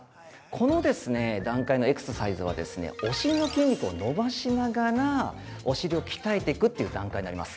この段階のエクササイズは、お尻の筋肉を伸ばしながらお尻を鍛えていくという段階になります。